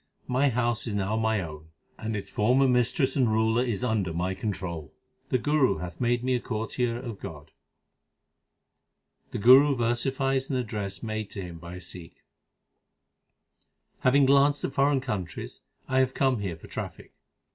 My house is now mine own, and its former mistress and ruler 7s under my control ; the Guru hath made me a courtier of God. The Guru versifies an address made to him by a Sikh : Having glanced at foreign countries I have come here for traffic.